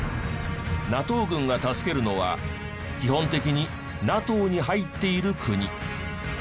軍が助けるのは基本的にＮＡＴＯに入っている国。